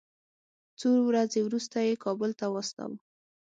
څو ورځې وروسته یې کابل ته واستاوه.